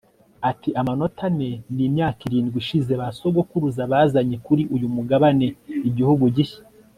Ati Amanota ane nimyaka irindwi ishize ba sogokuruza bazanye kuri uyu mugabane igihugu gishya